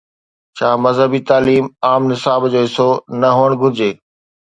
ڇا مذهبي تعليم کي عام نصاب جو حصو نه هئڻ گهرجي؟